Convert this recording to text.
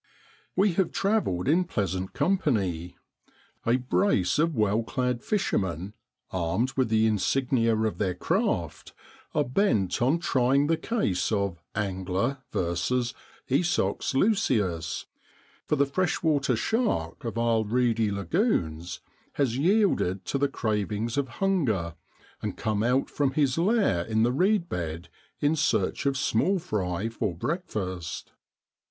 We have travelled in pleasant company. A brace of well clad fishermen, armed with the insignia of their craft, are bent on trying the case of Angler v. Esox lucius, for the freshwater shark of our reedy lagoons has yielded to the cravings of hunger, and come out from his lair in the reed bed in search of small fry for breakfast.